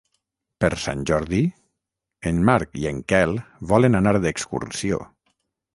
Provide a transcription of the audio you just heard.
Per Sant Jordi en Marc i en Quel volen anar d'excursió.